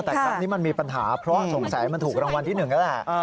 แต่ครั้งนี้มันมีปัญหาเพราะสงสัยมันถูกรางวัลที่๑แล้วแหละ